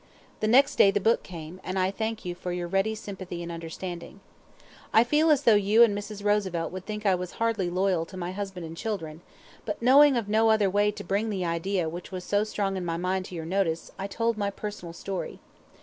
The next day the book came, and I thank you for your ready sympathy and understanding. I feel as though you and Mrs. Roosevelt would think I was hardly loyal to my husband and children; but knowing of no other way to bring the idea which was so strong in my mind to your notice, I told my personal story.